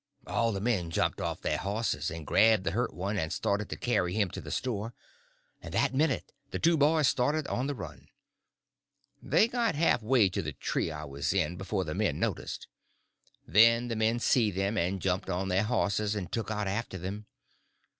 All the men jumped off of their horses and grabbed the hurt one and started to carry him to the store; and that minute the two boys started on the run. They got half way to the tree I was in before the men noticed. Then the men see them, and jumped on their horses and took out after them.